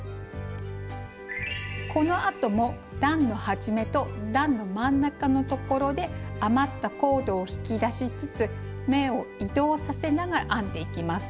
このあとも段の始めと段の真ん中のところで余ったコードを引き出しつつ目を移動させながら編んでいきます。